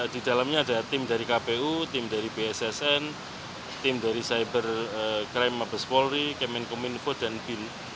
di dalamnya ada tim dari kpu tim dari bssn tim dari cyber crime mabes polri kemenkominfo dan bin